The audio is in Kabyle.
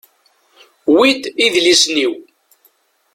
Wi d idlisen-iw.